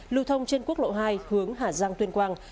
lưu thông trên quốc lộ hai hướng hà giang tuyên quang